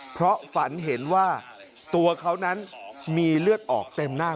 เพราะฝันเห็นว่าตัวเขานั้นมีเลือดออกเต็มหน้า